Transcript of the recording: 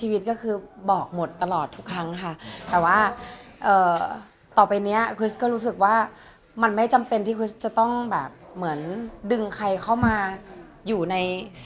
แล้วก็ทุกคนต้องรับรู้อะไรอย่างนี้